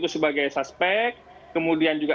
sebagai sospek kemudian juga